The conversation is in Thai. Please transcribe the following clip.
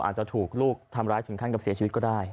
อาจจะถูกลูกทำร้ายถึงขั้นกับเสียชีวิตก็ได้